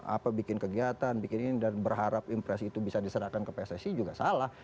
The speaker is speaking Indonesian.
apa bikin kegiatan bikin ini dan berharap impresi itu bisa diserahkan ke pssi juga salah